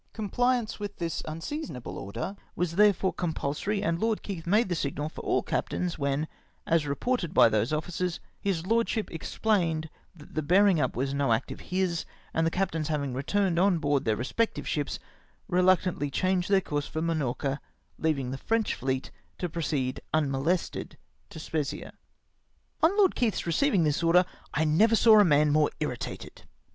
Comphance with this unseasonable order was therefore compulsory, and Lord Keith made the signal for all captains, when, as reported by those officers, his lord ship explained that the bearmg up was no act of liis, and the captains having returned on board theu" re spective ships, reluctantly changed the course for Minorca, leavmg the French fleet to proceed mnno lested to Spezzia. On Lord Keith receiving this order, I never saw a man more irritated.